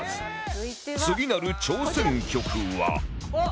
次なる挑戦曲は